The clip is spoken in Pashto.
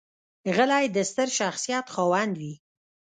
غلی، د ستر شخصیت خاوند وي.